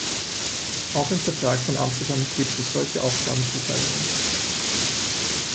Auch im Vertrag von Amsterdam gibt es solche Aufgabenzuteilungen.